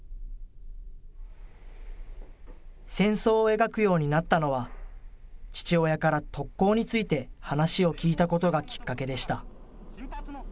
戦争を描くようになったのは、父親から特攻について話を聞いたことがきっかけでした。